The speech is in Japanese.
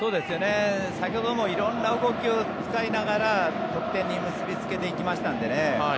先ほども色々な動きを使いながら得点に結びつけていきましたのでね。